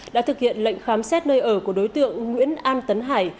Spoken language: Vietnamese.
đã thực hiện lệnh khám xét nơi ở của đối tượng nguyễn an tấn hải